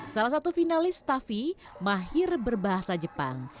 salah satu finalis taffi mahir berbahasa jepang